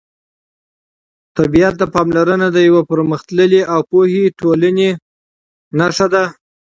طبیعت ته پاملرنه د یوې پرمختللې او پوهې ټولنې نښه ده.